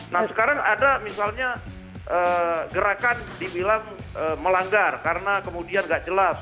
nah sekarang ada misalnya gerakan dibilang melanggar karena kemudian nggak jelas